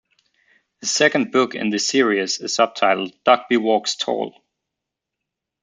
The second book in the series is subtitled "Dogby Walks Tall".